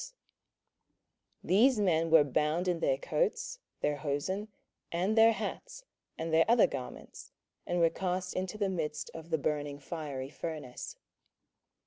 27:003:021 Then these men were bound in their coats, their hosen, and their hats, and their other garments, and were cast into the midst of the burning fiery furnace.